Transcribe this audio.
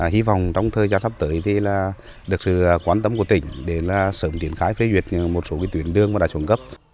hi vọng trong thời gian sắp tới thì được sự quan tâm của tỉnh để sớm tiến khai phê duyệt một số tuyến đường đã xuống cấp